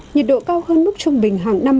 nhiệt độ cao hơn mức trung bình hàng năm